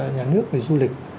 nhà nước về du lịch